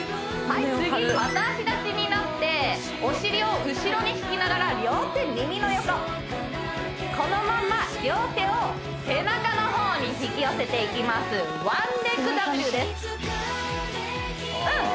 はい次片脚立ちになってお尻を後ろに引きながら両手耳の横このまま両手を背中の方に引き寄せていきますワンレッグダブリューです